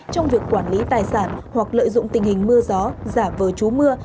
trong việc quản lý tài sản hoặc lợi dụng tình hình mưa gió giả vờ chú mưa